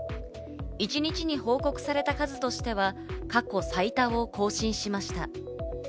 一日に報告された数としては過去最多を更新しました。